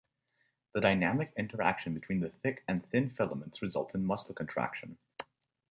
The dynamic interaction between the thick and thin filaments results in muscle contraction.